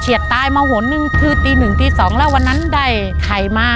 ตายมาหนนึงคือตีหนึ่งตีสองแล้ววันนั้นได้ไข่มา